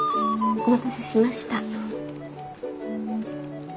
お待たせしました。